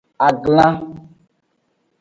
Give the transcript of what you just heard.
Aglan.